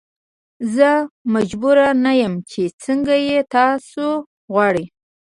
زه مجبور نه یم چې څنګه یې تاسو غواړئ.